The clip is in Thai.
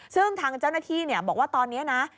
ซึ่งทางเจ้าหน้าที่บอกว่าตอนนี้นะ